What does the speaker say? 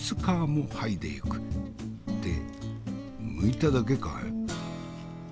ってむいただけかい。